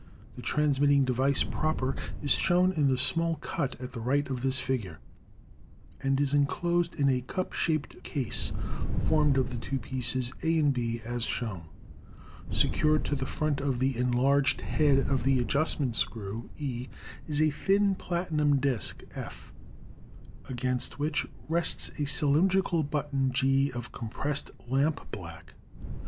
The transmitting device proper is shown in the small cut at the right of this figure, and is inclosed in a cup shaped case formed of the two pieces, A and B, as shown. Secured to the front of the enlarged head, e, of the adjustment screw, E is a thin platinum disk, F, against which rests a cylin drical button, G, of compressed lampblack.